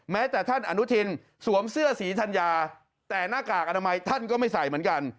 แม้แต่ท่านอนุทินสวมเสื้อสีธัญญาแต่หน้ากากอนามัยท่านก็ไม่ใส่เหมือนกัน